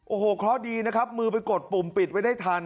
โอ้โหเคราะห์ดีนะครับมือไปกดปุ่มปิดไว้ได้ทัน